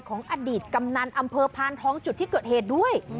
ของอดีตกำนันอำเภอพานทองจุดที่เกิดเหตุด้วย